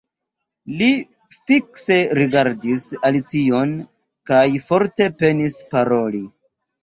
Li fikse rigardis Alicion kaj forte penis paroli.